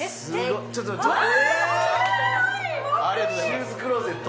シューズクローゼット？